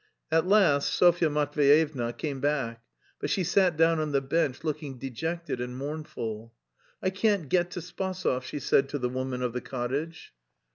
At last Sofya Matveyevna came back. But she sat down on the bench looking dejected and mournful. "I can't get to Spasov!" she said to the woman of the cottage.